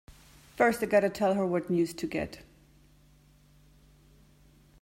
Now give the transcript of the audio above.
First I gotta tell her what news to get!